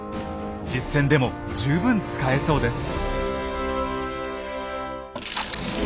実戦でも十分使えそうです。